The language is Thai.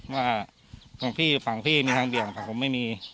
ว่าของพี่ฝั่งพี่มีทางเบี่ยงแต่ผมไม่มี